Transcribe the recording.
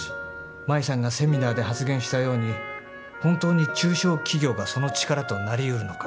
舞さんがセミナーで発言したように本当に中小企業がその力となりうるのか。